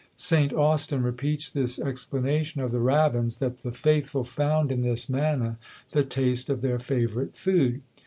St. Austin repeats this explanation of the Rabbins, that the faithful found in this manna the taste of their favourite food!